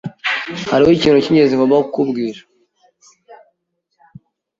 Hariho ikintu cyingenzi ngomba kukubwira.